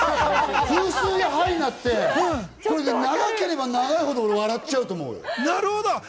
フースーヤハイになって、長ければ長いほど俺、笑っちゃうと思うよ。